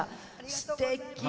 すてき。